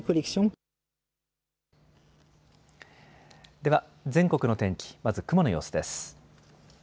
では全国の天気、まず雲の様子です。